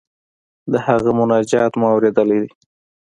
د هغه مناجات مو اوریدلی دی.